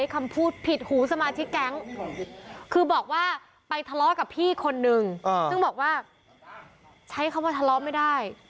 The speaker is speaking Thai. กับพี่คนนึงอ่าซึ่งบอกว่าใช้คำว่าทะเลาะไม่ได้